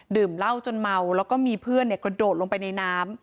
ดื่มเหล้าจนเมาแล้วก็มีเพื่อนกระโดดลงไปในน้ำ